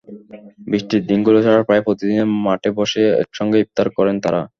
বৃষ্টির দিনগুলো ছাড়া প্রায় প্রতিদিনই মাঠে বসে একসঙ্গে ইফতার করেন তাঁরা।